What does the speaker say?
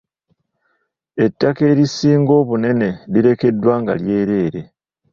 Ettaka erisinga obunene lirekeddwa nga lyereere.